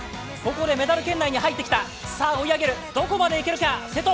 ここでメダル圏内に入ってきた、追い上げる、どこまでいけるか、瀬戸。